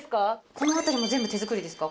このあたりも全部手作りですか？